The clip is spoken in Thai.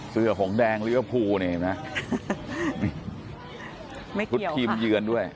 เสื้อหงแดงหรือว่าพูนี่นะไม่เกี่ยวทีมเยือนด้วย